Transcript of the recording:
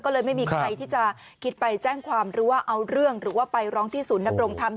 ก็เลยไม่มีใครที่จะคิดไปแจ้งความหรือว่าเอาเรื่องหรือว่าไปร้องที่ศูนย์นำรงธรรม